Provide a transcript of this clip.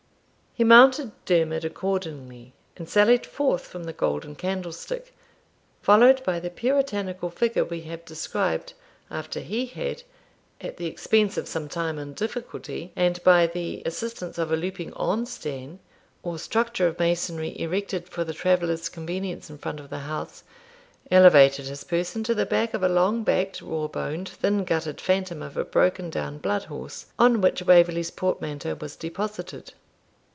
He mounted Dermid accordingly and sallied forth from the Golden Candlestick, followed by the puritanical figure we have described, after he had, at the expense of some time and difficulty, and by the assistance of a 'louping on stane,' or structure of masonry erected for the traveller's convenience in front of the house, elevated his person to the back of a long backed, raw boned, thin gutted phantom of a broken down blood horse, on which Waverley's portmanteau was deposited.